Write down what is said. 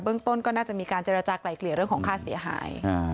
ต้นก็น่าจะมีการเจรจากลายเกลี่ยเรื่องของค่าเสียหาย